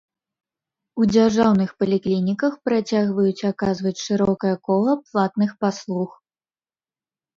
У дзяржаўных паліклініках працягваюць аказваць шырокае кола платных паслуг.